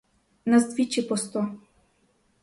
Нас двічі по сто.